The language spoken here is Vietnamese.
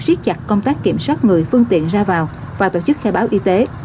siết chặt công tác kiểm soát người phương tiện ra vào và tổ chức khai báo y tế